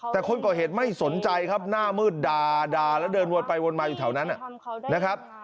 แต่คนก่อเหตุไม่สนใจครับหน้ามืดด่าแล้วเดินวนไปวนมาอยู่แถวนั้นนะครับ